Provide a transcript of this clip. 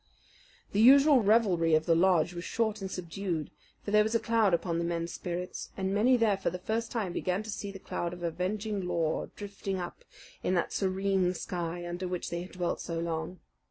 The usual revelry of the lodge was short and subdued: for there was a cloud upon the men's spirits, and many there for the first time began to see the cloud of avenging Law drifting up in that serene sky under which they had dwelt so long.